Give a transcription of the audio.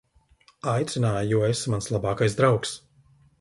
Aicināju, jo esi mans labākais draugs.